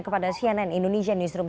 kepada cnn indonesia newsroom